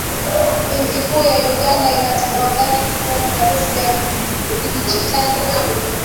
Benki kuu ya Uganda inatafakari kutoa sarafu ya kidigitali na